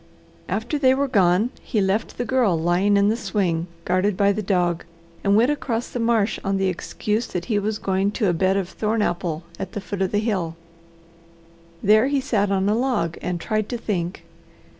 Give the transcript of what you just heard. After they were gone he left the Girl lying in the swing guarded by the dog, and went across the marsh on the excuse that he was going to a bed of thorn apple at the foot of the hill. There he sat on a log and tried to think.